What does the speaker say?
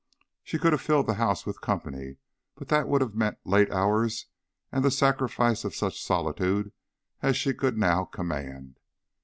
She could have filled the house with company, but that would have meant late hours and the sacrifice of such solitude as she now could command.